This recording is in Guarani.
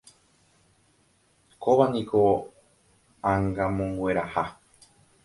Kóvaniko Angamongueraha